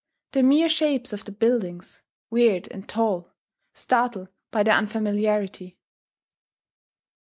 The mere shapes of the buildings, weird and tall, startle by their unfamiliarity.